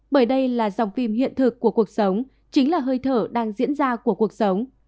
bởi đây là dòng phim hiện thực của cuộc sống chính là hơi thở đang diễn ra của cuộc sống